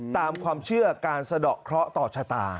ตามความเชื่อการสะดอกเคราะห์ต่อชะตา